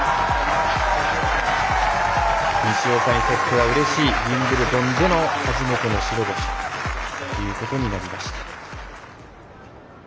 西岡にとってはうれしいウィンブルドンでの初めての白星ということになりました。